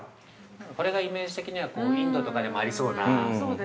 ◆これがイメージ的には、インドとかにもありそうな。